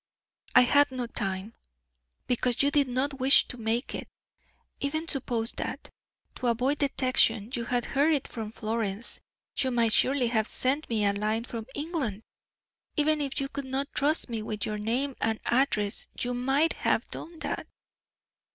"I had not time." "Because you did not wish to make it. Even suppose that, to avoid detection, you had hurried from Florence, you might surely have sent me a line from England; even if you could not trust me with your name and address, you might have done that."